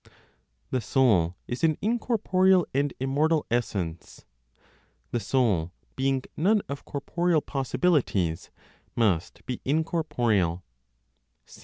THE SOUL IS AN INCORPOREAL AND IMMORTAL ESSENCE. THE SOUL BEING NONE OF CORPOREAL POSSIBILITIES, MUST BE INCORPOREAL.